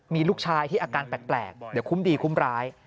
มีลูกชายที่อาการแปลกเดี๋ยวคุ้มดีคุ้มร้าย